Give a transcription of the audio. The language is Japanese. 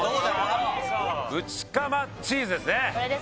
ぷちかまチーズですね